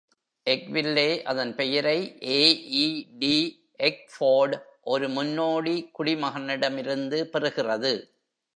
எக்வில்லே அதன் பெயரை ஏ. ஈ. டி. எக்ஃபோர்ட், ஒரு முன்னோடி குடிமகனிடமிருந்து பெறுகிறது.